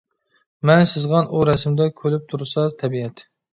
مەن سىزغان ئۇ رەسىمدە، كۈلۈپ تۇرسا تەبىئەت.